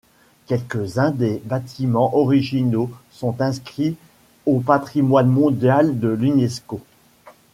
Quelques-uns des bâtiments originaux sont inscrits au Patrimoine mondial de l'Unesco.